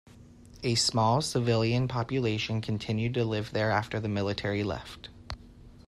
A small civilian population continued to live there after the military left.